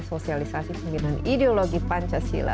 sosialisasi pembinaan ideologi pancasila